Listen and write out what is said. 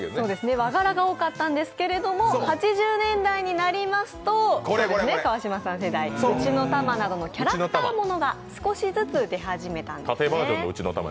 和柄が多かったんですけど、８０年代になりますと、川島さん世代、「うちのタマ」などのキャラクターものが少しずつ出始めたんですね。